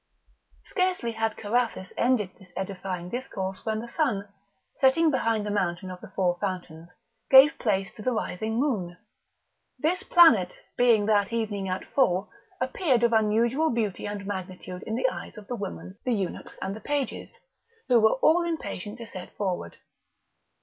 Scarcely had Carathis ended this edifying discourse when the sun, setting behind the mountain of the Four Fountains, gave place to the rising moon; this planet, being that evening at full, appeared of unusual beauty and magnitude in the eyes of the women, the eunuchs, and the pages, who were all impatient to set forward.